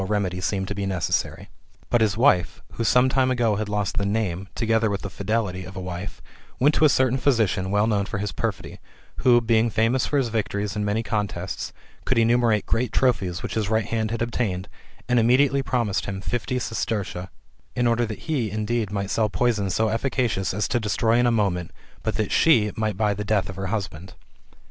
remedy seemed to be necessary. But his wife, who some time ago had lost the name, together with the fidelity, of a wife, went to a certain physician, well known for his perfidy, who, being famous for his victories in many contests, could enumerate great trophies which his right hand had obtained,^^ and immediately promised him fifty sestertia,^' in order that he indeed might sell poison so efficacious as to destroy in a moment, but that she might buy the death of her husband.